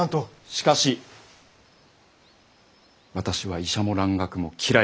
しかし私は医者も蘭学も嫌いです！